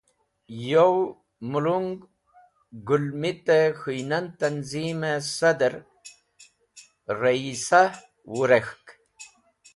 Yow Mulung Gũlmit-e Khũynan Tanzim-e Sadr (Rayisah) wũrek̃hk.